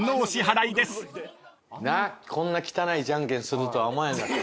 こんな汚いジャンケンするとは思わへん。